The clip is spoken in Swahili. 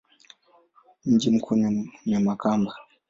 Mji mkuu ni Makamba.